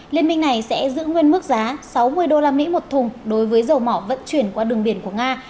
liên minh này sẽ giữ nguyên mức giá sáu mươi usd một thùng đối với dầu mỏ vận chuyển qua đường biển của nga